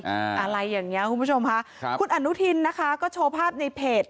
อะไรอย่างเงี้ยคุณผู้ชมค่ะครับคุณอนุทินนะคะก็โชว์ภาพในเพจ